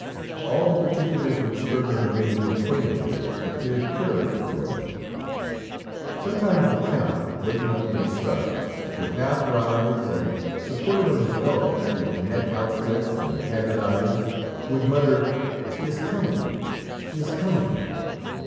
All the particulars which Sperver had made me acquainted with appeared clearly before me; sometimes the count, waking up with a start, would half rise, and supported on his elbow, with neck outstretched and haggard eyes, would mutter, "She is coming, she is coming!"